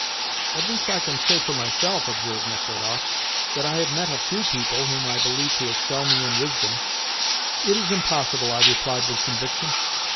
"At least I can say for myself," observed Nechludoff, "that I have met a few people whom I believe to excel me in wisdom." "It is impossible," I replied with conviction.